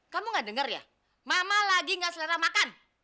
kamu gak denger ya mama lagi nggak selera makan